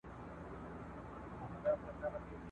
په سل ګونو یې وه کړي سفرونه ..